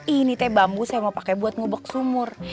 ini teh bambu saya mau pakai buat ngubok sumur